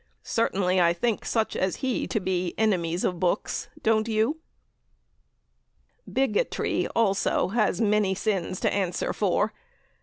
Certainly, I think such as he to be 'Enemies of books.' Don't you?" Bigotry has also many sins to answer for.